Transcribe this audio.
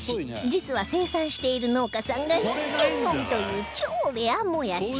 実は生産している農家さんが１軒のみという超レアもやし